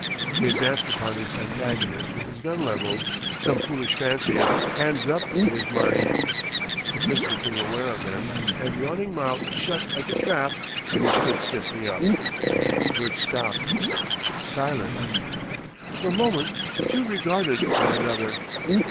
He advanced upon his antagonist with his gun levelled, some foolish fancy of "hands up" in his mind. The Prince became aware of him, the yawning mouth shut like a trap and he stood stiffly up. Bert stopped, silent. For a moment the two regarded one another.